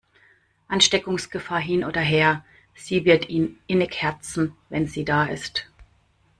Ansteckungsgefahr hin oder her, sie wird ihn innig herzen, wenn sie da ist.